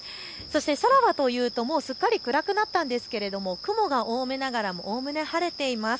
空はというとすっかり暗くなったんですが、雲が多めながらもおおむね晴れています。